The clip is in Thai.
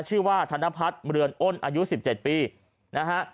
ชื่อว่าธนพัฒน์เรือนอ้นอายุ๑๗ปีนะฮะ